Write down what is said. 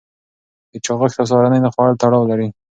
د چاغښت او سهارنۍ نه خوړل تړاو لري.